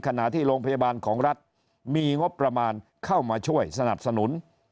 ขณะที่โรงพยาบาลของรัฐมีงบประมาณเข้ามาช่วยสนับสนุน